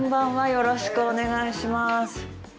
よろしくお願いします。